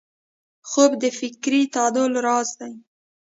خوب د فکري تعادل راز دی